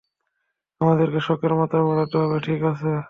আমাদেরকে শকের মাত্রা বাড়াতে হবে, ঠিক আছে?